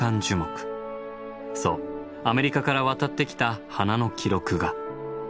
そうアメリカから渡ってきた花の記録が。